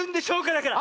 だから！